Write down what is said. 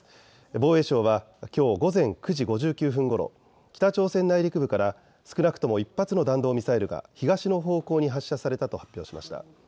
防衛省はきょう午前９時５９分ごろ、北朝鮮内陸部から少なくとも１発の弾道ミサイルが東の方向に発射されたと発表しました。